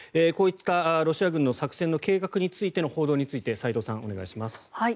こういったロシア軍の作戦の計画についての報道について斎藤さん、お願いします。